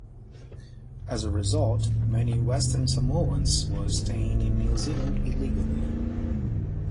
As a result, many Western Samoans were staying in New Zealand illegally.